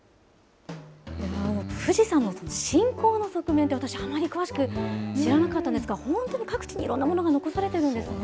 富士山の信仰の側面って、私、あまり詳しく知らなかったんですが、本当に各地にいろんなものが残されてるんですね。